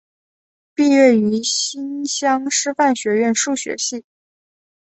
毕业于新乡师范学院数学系。